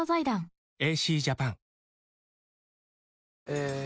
え